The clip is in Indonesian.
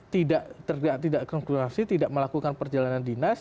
tidak konkreasi tidak melakukan perjalanan dinas